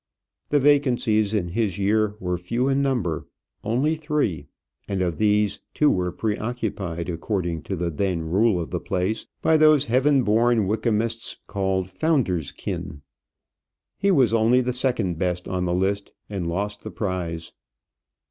The vacancies in his year were few in number, only three, and of these two were preoccupied, according to the then rule of the place, by those heaven born Wykamists, called founder's kin He was only the second best on the list, and lost the prize.